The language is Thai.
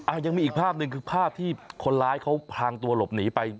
ยังมีอีกภาพหนึ่งคือภาพที่คนร้ายเขาพลางตัวหลบหนีไป